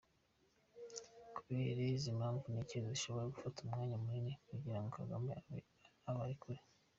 Kubera izi mpamvu ntekereza bishobora gufata umwanya munini kugira ngo Kagame abarekure.